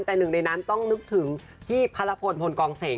แต่หนึ่งในนั้นต้องนึกถึงพี่พระรพลพลกองเสก